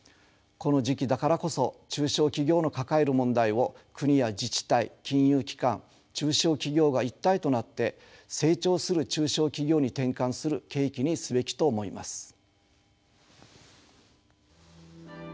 この時期だからこそ中小企業の抱える問題を国や自治体金融機関中小企業が一体となって成長する中小企業に転換する契機にすべきと思います。